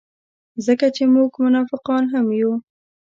ځکه چې موږ منافقان هم یو.